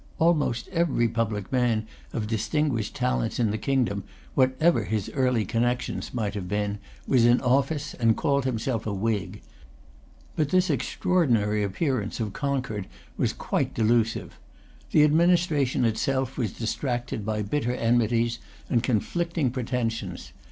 Almost every public man of distinguished talents in the kingdom, whatever his early connections might have been, was in office, and called himself a Whig. But this extraordinary appearance of concord was quite delusive. The administration itself was distracted by bitter enmities and conflicting pretensions.